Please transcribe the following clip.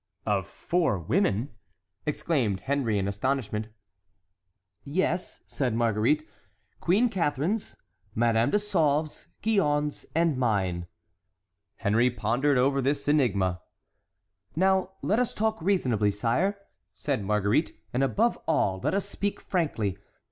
"Of four women?" exclaimed Henry in astonishment. "Yes," said Marguerite; "Queen Catharine's, Madame de Sauve's, Gillonne's, and mine." Henry pondered over this enigma. "Now let us talk reasonably, sire," said Marguerite, "and above all let us speak frankly.